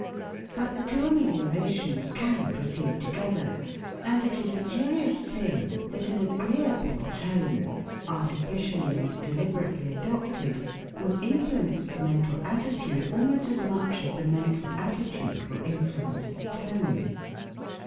But the two ameliorations can proceed together, and it is a curious thing that an agreeable tone, artificially and deliberately adopted, will influence the mental attitude almost as much as the mental attitude will influence the tone.